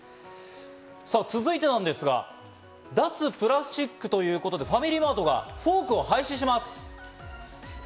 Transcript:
さぁ続いてなんですが、脱プラスチックということで、ファミリーマートがフォークを廃止します。